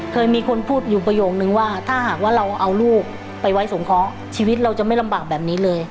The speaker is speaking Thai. เคยมีคนพูดอยู่ประโยคนึงว่าถ้าหากว่าเราเอาลูกไปไว้สงเคราะห์ชีวิตเราจะไม่ลำบากแบบนี้เลย